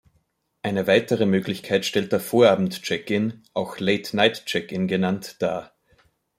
Eine weitere Möglichkeit stellt der Vorabend-Check-in, auch Late-Night Check-In genannt, dar.